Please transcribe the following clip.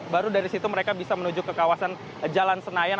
baru dari situ mereka bisa menuju ke kawasan jalan senayan